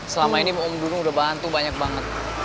selama ini om dudung udah bantu banyak banget